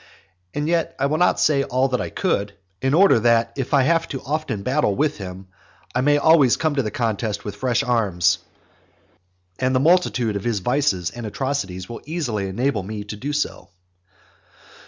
And yet I will not say all I could, in order that if I have often to battle with him I may always come to the contest with fresh arms; and the multitude of his vices and atrocities will easily enable me to do so.